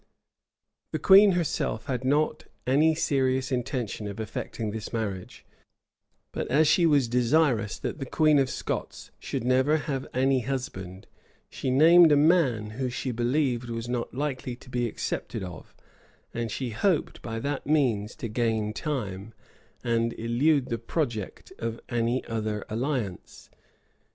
396 The queen herself had not any serious intention of effecting this marriage, but as she was desirous that the queen of Scots should never have any husband, she named a man who, she believed, was not likely to be accepted of; and she hoped by that means to gain time, and elude the project of any other alliance.